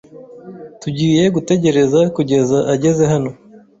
Tugiye gutegereza kugeza ageze hano.